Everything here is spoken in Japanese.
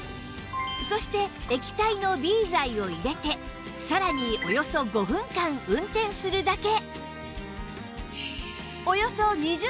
そして液体の Ｂ 剤を入れてさらにおよそ５分間運転するだけ